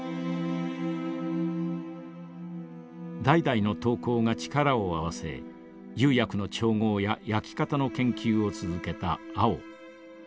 代々の陶工が力を合わせ釉薬の調合や焼き方の研究を続けた青。